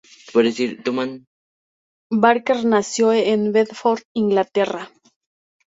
Barker nació en Bedford, Inglaterra.